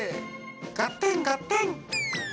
ガッテンガッテン！